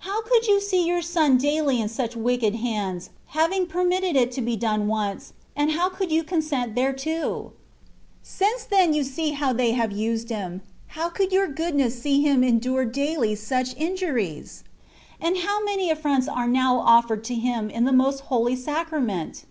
How could you see your Son daily in such wicked hands, having permitted it to be done once, and how could you consent thereto ? Since then you see how they have used Him, how could your goodness see Him endure daily such injuries? And how many affronts are now offered to Him in the Most Holy Sacrament